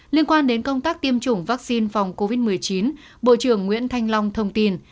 liên quan đến công tác tiêm chủng vaccine phòng covid một mươi chín bộ trưởng nguyễn thanh long thông tin